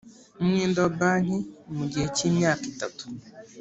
umwenda wa banki mu gihe cyimyaka itatu